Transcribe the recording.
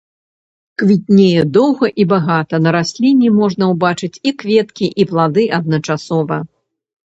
Квітнее доўга і багата, на расліне можна ўбачыць і кветкі і плады адначасова.